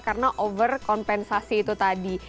karena over kompensasi itu tadi